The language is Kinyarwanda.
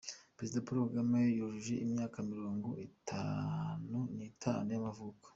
Perezida Paul Kagame yujuje imyaka mirongo itanu n’itanu y’amavuko